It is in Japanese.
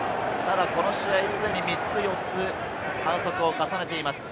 この試合、すでに３つ・４つ反則を重ねています。